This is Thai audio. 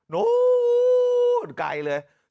นู้นไกลเลย